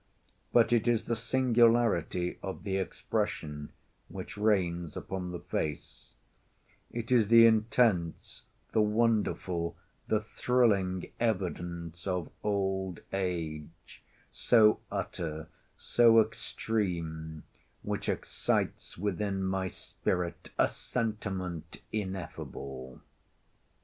But it is the singularity of the expression which reigns upon the face—it is the intense, the wonderful, the thrilling evidence of old age, so utter, so extreme, which excites within my spirit a sense—a sentiment ineffable.